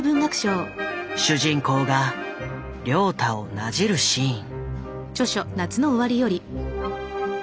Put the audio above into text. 主人公が凉太をなじるシーン。